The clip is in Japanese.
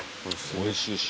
おいしいし。